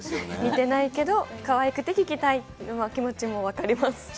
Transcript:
似てないけどかわいくて聞きたい気持ちも分かります。